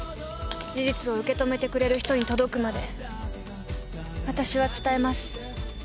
事実を受け止めてくれる人に届くまで、私は伝えます。